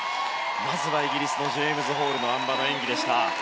まずはイギリスのジェームズ・ホールのあん馬の演技でした。